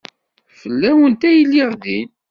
Fell-awent ay lliɣ din.